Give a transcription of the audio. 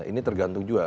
ini tergantung juga